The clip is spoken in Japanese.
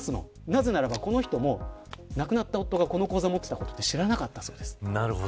なぜならば、この人も亡くなった夫がこの口座を持っていたことを知らなかったそうです。